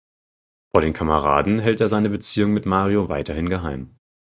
Vor den Kameraden hält er seine Beziehung mit Mario weiterhin geheim.